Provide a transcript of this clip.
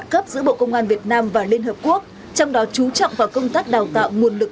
cơ quan của bộ công an việt nam và liên hợp quốc trong đó trú trọng vào công tác đào tạo nguồn lực